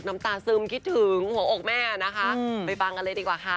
น้ำตาซึมคิดถึงหัวอกแม่นะคะไปฟังกันเลยดีกว่าค่ะ